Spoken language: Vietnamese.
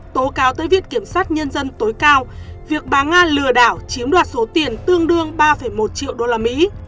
tố cáo tới việc kiểm sát nhân dân tối cao việc bà nga lừa đảo chiếm đoạt số tiền tương đương ba một triệu usd